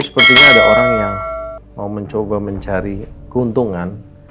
sepertinya ada orang yang mau mencoba mencari keuntungan